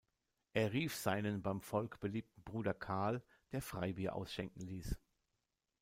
Er rief seinen beim Volk beliebten Bruder Carl, der Freibier ausschenken ließ.